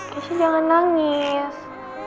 keesya jangan nangis